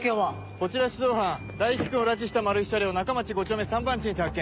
こちら出動班大樹君を拉致したマルヒ車両中町５丁目３番地にて発見。